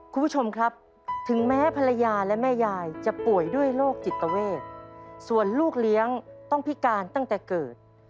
คุณผู้ชมครับถึงแม้ภรรยาและแม่ยายจะป่วยด้วยโรคจิตเวทส่วนลูกเลี้ยงต้องพิการตั้งแต่เกิด